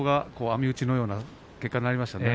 網打ちのような結果になりましたね。